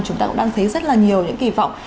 chúng ta cũng đang thấy rất là nhiều những kỳ vọng